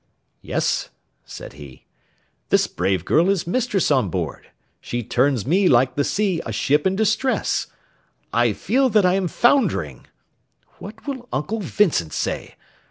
"Yes," said he, "this brave girl is mistress on board; she turns me like the sea a ship in distress I feel that I am foundering! What will Uncle Vincent say?